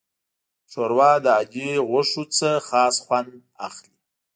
ښوروا له عادي غوښو نه خاص خوند اخلي.